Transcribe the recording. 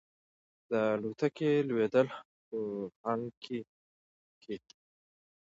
د الوتکې لوېدل په هانګ کې کې.